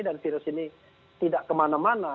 dan virus ini tidak kemana mana